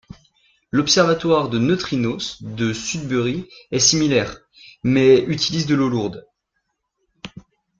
L'observatoire de neutrinos de Sudbury est similaire, mais utilise de l'eau lourde.